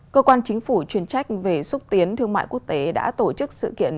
cơ quan chính phủ chuyên trách về xúc tiến thương mại quốc tế đã tổ chức sự kiện